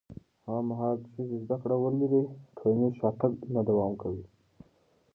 هغه مهال چې ښځې زده کړه ولري، ټولنیز شاتګ نه دوام کوي.